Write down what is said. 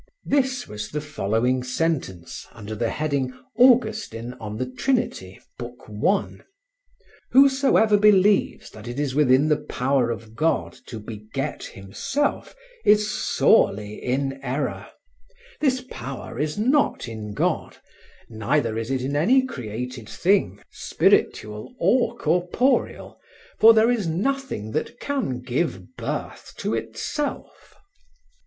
This was the following sentence, under the heading "Augustine, On the Trinity, Book I": "Whosoever believes that it is within the power of God to beget Himself is sorely in error; this power is not in God, neither is it in any created thing, spiritual or corporeal. For there is nothing that can give birth to itself."